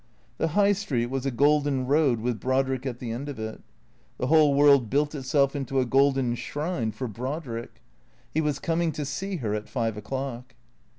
The High Street was a golden road with Brodrick at the end of it. The whole world built itself into a golden shrine for Brodrick. He was coming to see her at five o'clock.